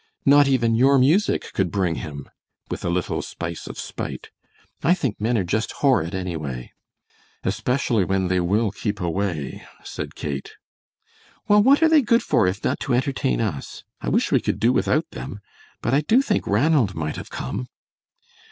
Not even your music could bring him!" with a little spice of spite. "I think men are just horrid, anyway." "Especially when they will keep away," said Kate. "Well, what are they good for if not to entertain us? I wish we could do without them! But I do think Ranald might have come."